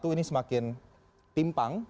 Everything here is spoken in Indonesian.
ini semakin timpang